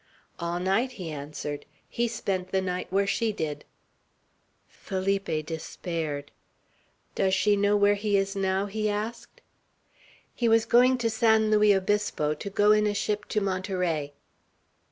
"All night," he answered. "He spent the night where she did." Felipe despaired. "Does she know where he is now?" he asked. "He was going to San Luis Obispo, to go in a ship to Monterey."